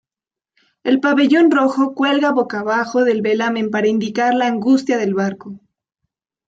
El pabellón rojo cuelga boca abajo del velamen para indicar la angustia del barco.